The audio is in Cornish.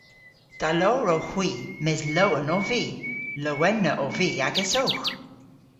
Da lowr owgh hwi mes lowen ov vy. Lowenna ov vy agesowgh!